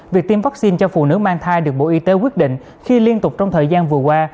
việc tiêm vaccine cho phụ nữ mang thai được bộ y tế quyết định khi liên tục trong thời gian vừa qua